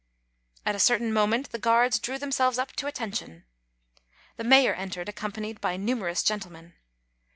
At a certain moment the guards drew themselves up to attention. The mayor entered, accompanied by numerous gentlemen.